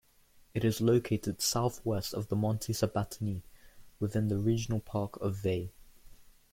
It is located southwest of the Monti Sabatini, within the Regional Park of Veii.